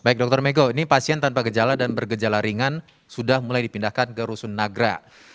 baik dokter mega ini pasien tanpa gejala dan bergejala ringan sudah mulai dipindahkan ke rusun nagra